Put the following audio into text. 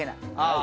あ